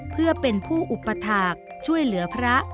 เพื่อเป็นผู้อุปถาคช่วยเหลือพระ